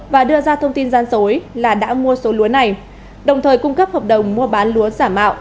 và đưa ra thông tin gian dối là đã mua số lúa này đồng thời cung cấp hợp đồng mua bán lúa giả mạo